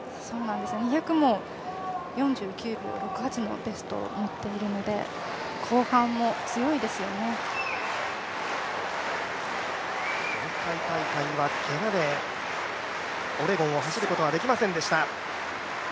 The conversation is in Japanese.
２００も４９秒６８のベストとなっているので前回大会はけがでオレゴンを走ることはできませんでした。